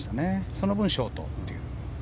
その分ショートと。